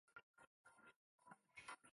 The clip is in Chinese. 他是美国人工智能协会的创始会员之一。